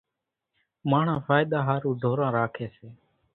ماڻۿان ڦائۮا ۿارُو ڍوران راکيَ سي۔